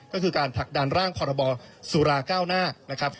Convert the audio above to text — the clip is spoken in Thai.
ก็คือการถักดันร่างพรบสุราเก้าหน้า